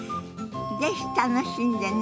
是非楽しんでね。